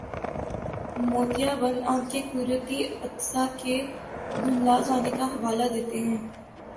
موتیابند آنکھ کے قدرتی عدسہ کے دھندلا جانے کا حوالہ دیتے ہیں